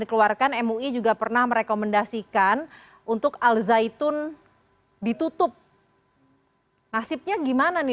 dikeluarkan mui juga pernah merekomendasikan untuk al zaitun ditutup nasibnya gimana nih